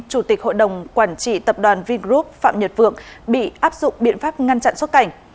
chủ tịch hội đồng quản trị tập đoàn vingroup phạm nhật vượng bị áp dụng biện pháp ngăn chặn xuất cảnh